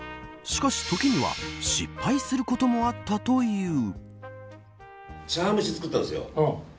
しかし、時には失敗することもあったという。